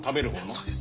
そうです。